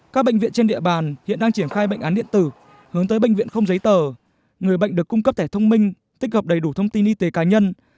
các bệnh viện trên địa bàn hiện đang triển khai bệnh án điện tử hướng tới bệnh viện không giấy tờ người bệnh được cung cấp thẻ thông minh tích hợp đầy đủ thông tin y tế cá nhân